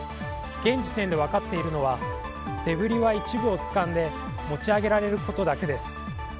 現時点で分かっているのはデブリは一部をつかんで持ち上げられることだけです。